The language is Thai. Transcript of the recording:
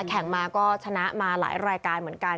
แข่งมาก็ชนะมาหลายรายการเหมือนกัน